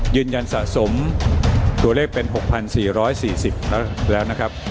ยืนยันสะสมตัวเลขเป็น๖๔๔๐แล้วนะครับ